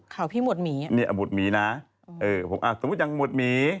ข่าวพี่หมวดหมีนี่หมวดหมีนะเออสมมติอย่างหมวดหมี